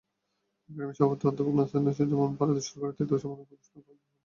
একাডেমির সভাপতি অধ্যাপক আনিসুজ্জামান পেয়েছেন ভারত সরকারের তৃতীয় সর্বোচ্চ সম্মাননা পদ্মভূষণ।